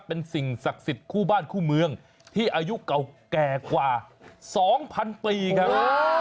เป็นสิ่งศักดิ์สิทธิ์คู่บ้านคู่เมืองที่อายุเก่าแก่กว่า๒๐๐๐ปีครับ